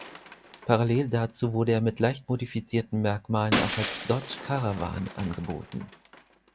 Parallel dazu wurde er mit leicht modifizierten Merkmalen auch als Dodge Caravan angeboten.